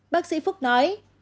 bác sĩ phúc nói